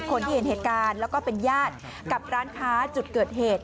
คนที่เห็นเหตุการณ์แล้วก็เป็นญาติกับร้านค้าจุดเกิดเหตุ